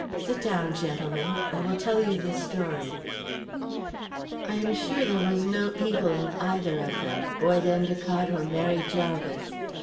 Sit down, gentlemen. I will tell you the story." I am sure there was no evil in either of them Boyd Endicott or Mary Jarvis.